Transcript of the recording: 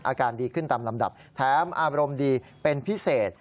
อาการดีขึ้นตามลำดับแถมอารมณ์ดีเป็นพิเศษ